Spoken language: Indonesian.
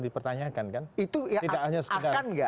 dipertanyakan kan itu ya akan nggak